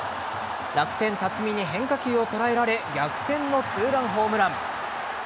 楽天・辰己に変化球を捉えられ逆転の２ランホームラン。